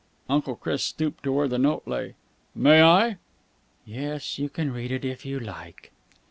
Uncle Chris stooped to where the note lay. "May I...?" "Yes, you can read it if you like."